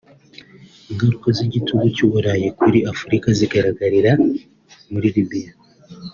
Ingaruka z’igitugu cy’u Burayi kuri Afurika zigaragarira muri Libye